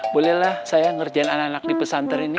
bolehlah saya ngerjain anak anak di pesantren ini